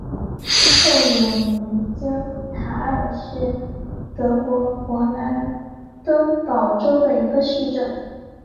特姆尼茨塔尔是德国勃兰登堡州的一个市镇。